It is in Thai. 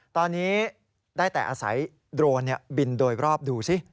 ตอนนี้ได้แต่อาศัยโดรนบินโดยรอบดูสิ